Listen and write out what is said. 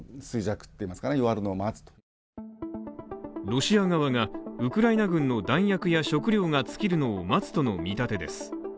ロシア側がウクライナ軍の弾薬や食料が尽きるのを待つとの見立てです。